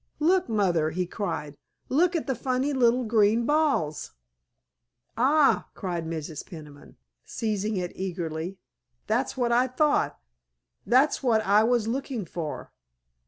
"Look, Mother," he cried, "look at the funny little green balls!" "Ah," cried Mrs. Peniman, seizing it eagerly, "that's what I thought! That's what I was looking for!